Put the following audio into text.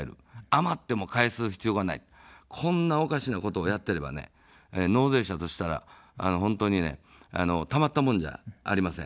余っても返す必要がない、こんなおかしなことをやってれば納税者としたら本当にたまったもんじゃありません。